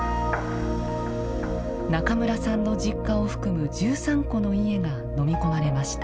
中村さんの実家を含む１３戸の家がのみ込まれました。